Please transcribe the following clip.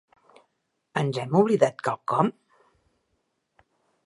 Ens hem oblidat quelcom?